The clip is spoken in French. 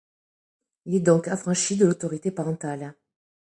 Il est donc affranchi de l'autorité parentale.